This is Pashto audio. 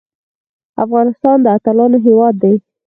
افغانستان د اتلانو هیواد دی